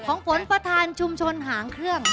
ฝนประธานชุมชนหางเครื่อง